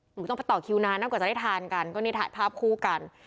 หนูต้องไปต่อคิวนานนะกว่าจะได้ทานกันก็นี่ถ่ายภาพคู่กัน